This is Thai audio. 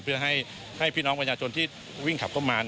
เพื่อให้พี่น้องประชาชนที่วิ่งขับเข้ามา